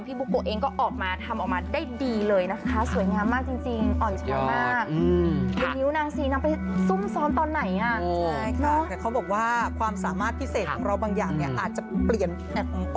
พี่บุโกะเองก็ออกมาทำออกมาได้ดีเลยนะคะสวยงามมากจริงอ่อนช้ามาก